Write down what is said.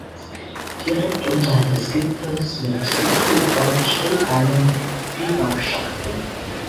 Direkt unterhalb des Gipfels mit Gipfelkreuz steht eine Biwakschachtel.